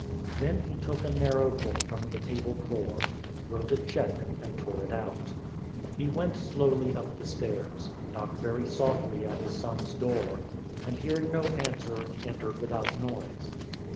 Then he took a narrow book from the table drawer, wrote a check, and tore it out. He went slowly up the stairs, knocked very softly at his son's door, and, hearing no answer, entered without noise.